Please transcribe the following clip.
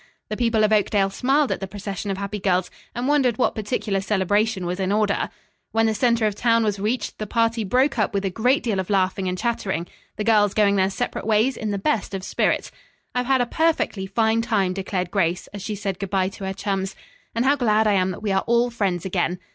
The people of Oakdale smiled at the procession of happy girls and wondered what particular celebration was in order. When the center of town was reached the party broke up with a great deal of laughing and chattering, the girls going their separate ways in the best of spirits. "I've had a perfectly fine time," declared Grace, as she said good bye to her chums, "and how glad I am that we are all friends again."